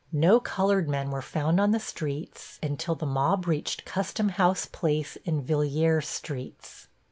No colored men were found on the streets until the mob reached Custom House Place and Villiers Streets.